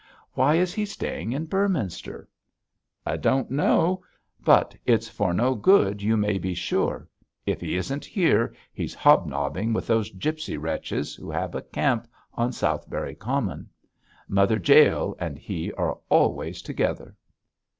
'Why is he staying in Beorminster?' 'I don't know, but it's for no good, you may be sure. If he isn't here he's hob nobbing with those gipsy wretches who have a camp on Southberry Common. Mother Jael and he are always together.'